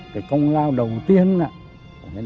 cái công lao đầu tiên